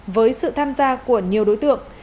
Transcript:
với sự tham gia của nhiều đối tượng